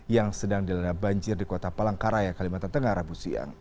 yang sedang dilanda banjir di kota palangkaraya kalimantan tengah rabu siang